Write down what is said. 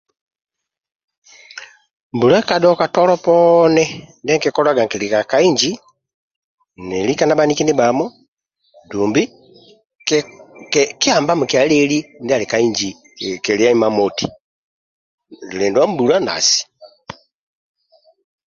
Mbula ka dhaka tolo poni ndie kikolga nkiesaga ka inji nilika na bhaniki ndibhamo dumbi kiamba mikia lieli ndia ali ka inji dumbi kilia imamoti lindua mbula nasi